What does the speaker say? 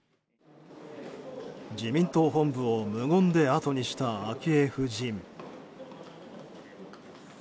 自民党本部を無言であとにした昭恵夫人。